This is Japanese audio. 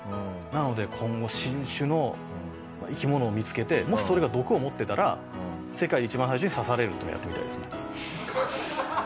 なので今後新種の生き物を見つけてもしそれが毒を持ってたら世界で一番最初に刺されるっていうのやってみたいですね。